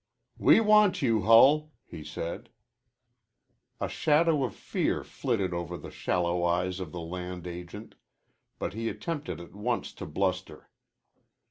"We want you, Hull," he said. A shadow of fear flitted over the shallow eyes of the land agent, but he attempted at once to bluster.